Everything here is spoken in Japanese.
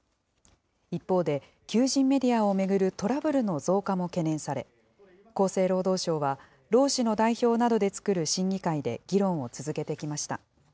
一方で、求人メディアを巡るトラブルの増加も懸念され、厚生労働省は、労使の代表などで作る審議会で議論を続けてきました。